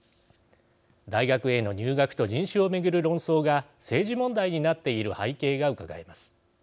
大学への入学と人種を巡る論争が政治問題になっている背景がうかがえます。